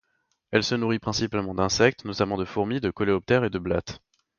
Elle se nourrit principalement d'insectes, notamment de fourmis, de coléoptères et de blattes.